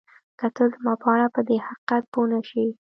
که ته زما په اړه پدې حقیقت پوه نه شې